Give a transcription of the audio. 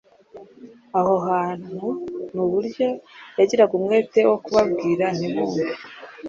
aho hantu n'uburyo yagiraga umwete wo kubabwira ntibumve,